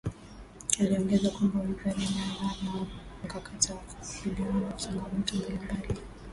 Aliongeza kwamba Wizara imeanza na mkakati wa kukabiliana na changamoto mbalimbali